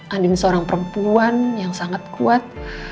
andini seorang perempuan yang sangat kuat